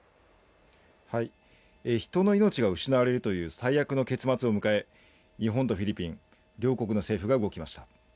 人の命が失われるという最悪の結末を迎え日本とフィリピン、両国の政府が動きました。